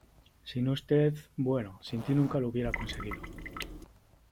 sin usted ... bueno , sin ti nunca lo hubiera conseguido .